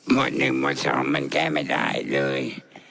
มวดหนึ่งมวดสองมันแก่ไม่ได้เลย